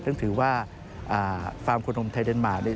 ซึ่งถือว่าฟาร์มคนนมไทยเดนมาร์เนี่ย